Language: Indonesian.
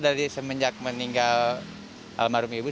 dari semenjak meninggal almarhum ibu